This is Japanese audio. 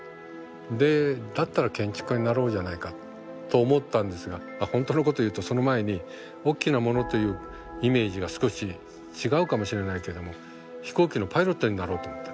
でだったら建築家になろうじゃないかと思ったんですが本当のことを言うとその前におっきなものというイメージが少し違うかもしれないけれども飛行機のパイロットになろうと思った。